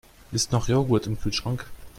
Ist noch Joghurt im Kühlschrank?